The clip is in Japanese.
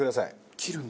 切るんだ。